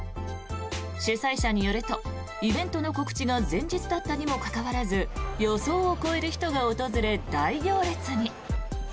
主催者によるとイベントの告知が前日だったにもかかわらず予想を超える人が訪れ大行列に。